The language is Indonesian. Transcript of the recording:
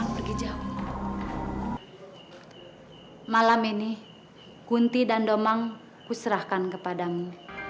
sesuai dengan janji